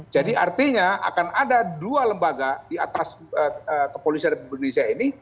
jadi artinya akan ada dua lembaga di atas kepolisian republik indonesia ini